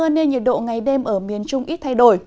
nên nhiệt độ ngày đêm ở miền trung ít thay đổi